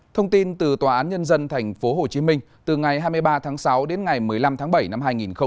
thông tin từ tòa án nhân dân tp hcm từ ngày hai mươi ba tháng sáu đến ngày một mươi năm tháng bảy năm hai nghìn hai mươi